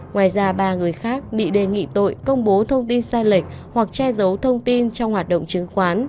ngoài ra ba người khác bị đề nghị tội công bố thông tin sai lệch hoặc che giấu thông tin trong hoạt động chứng khoán